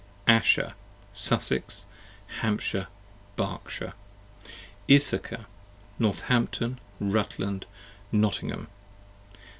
Asher, Sussex, Hampshire, Berkshire. Issachar, Northampton, Rutland, Nottgham.